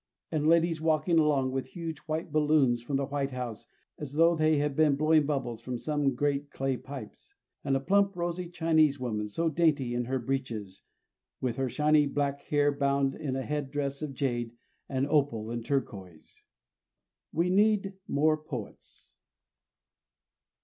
And ladies walking along with huge white balloons from the White House as though they had been blowing bubbles from some great clay pipes. And a plump, rosy Chinese woman so dainty in her breeches with her shiny, black hair bound in a head dress of jade and opal and turquoise. We need more poets.